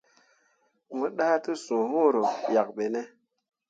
Mo ɗah tesũũ huro yak ɓene.